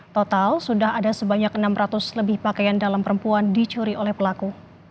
total sudah ada sebanyak enam ratus lebih pakaian dalam perempuan dicuri oleh pelaku